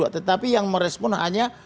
tetapi yang merespon hanya